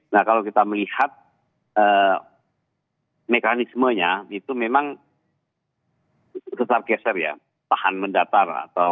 nah kalau kita melihat mekanismenya itu memang sesar geser ya lahan mendatar